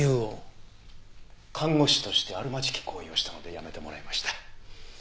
看護師としてあるまじき行為をしたので辞めてもらいました。